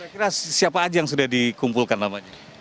kira kira siapa aja yang sudah dikumpulkan namanya